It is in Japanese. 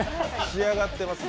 仕上がってます。